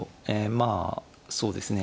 まあそうですね